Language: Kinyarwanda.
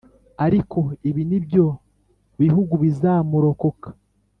Ariko ibi ni byo bihugu bizamurokoka